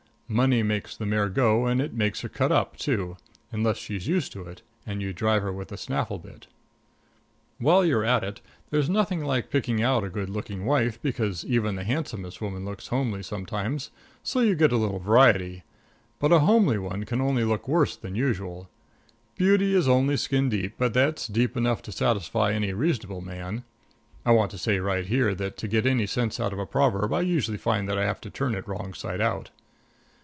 Money makes the mare go, and it makes her cut up, too, unless she's used to it and you drive her with a snaffle bit. While you are at it, there's nothing like picking out a good looking wife, because even the handsomest woman looks homely sometimes, and so you get a little variety; but a homely one can only look worse than usual. Beauty is only skin deep, but that's deep enough to satisfy any reasonable man. (I want to say right here that to get any sense out of a proverb I usually find that I have to turn it wrong side out.)